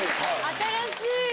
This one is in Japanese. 新しい。